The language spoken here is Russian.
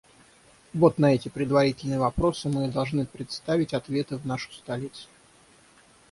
Вот на эти предварительные вопросы мы и должны представить ответы в нашу столицу.